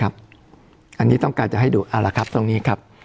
อันนี้ต้องการจะให้ดูเอาละครับตรงนี้ครับ